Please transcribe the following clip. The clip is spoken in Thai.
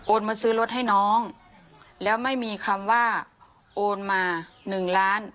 มาซื้อรถให้น้องแล้วไม่มีคำว่าโอนมาหนึ่งล้าน